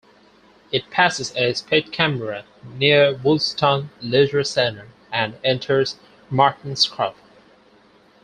It passes a speed camera near Woolston Leisure Centre and enters Martinscroft.